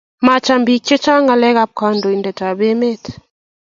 Macham pik chang ngalek ab kandoiten ab amet